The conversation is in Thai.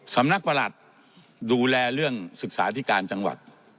ประหลัดดูแลเรื่องศึกษาธิการจังหวัด